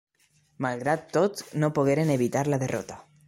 Malgrat tot no pogueren evitar la derrota.